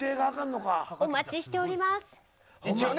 お待ちしております。